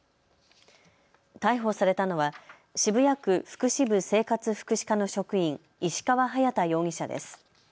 逮捕されたのは渋谷区福祉部生活福祉課の職員石川隼大容疑者です。